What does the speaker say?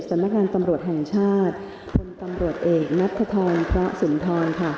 สำนักงานตำรวจแห่งชาติพลตำรวจเอกนัทธรพระสุนทรค่ะ